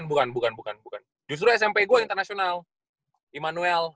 bukan bukan bukan justru smp gue internasional immanuel